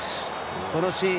このシーン。